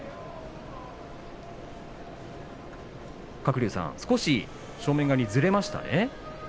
鶴竜さん、少し正面側にずれましたね。